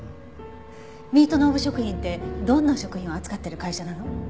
ミートノーブ食品ってどんな食品を扱ってる会社なの？